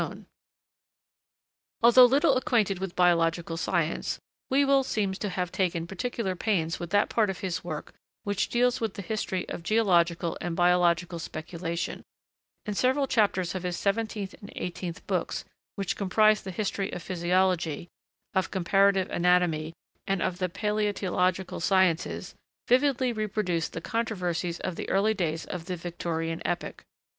[Sidenote: Darwin] Although little acquainted with biological science, Whewell seems to have taken particular pains with that part of his work which deals with the history of geological and biological speculation; and several chapters of his seventeenth and eighteenth books, which comprise the history of physiology, of comparative anatomy and of the palætiological sciences, vividly reproduce the controversies of the early days of the Victorian epoch.